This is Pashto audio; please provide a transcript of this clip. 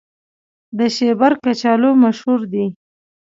د شیبر کچالو مشهور دي